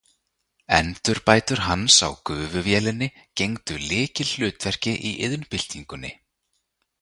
Endurbætur hans á gufuvélinni gegndu lykilhlutverki í iðnbyltingunni.